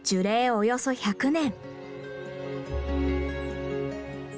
およそ１００年。